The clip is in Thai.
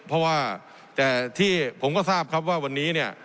เพราะว่าแต่ที่ผมก็ทราบครับว่าวันนี้เนี่ย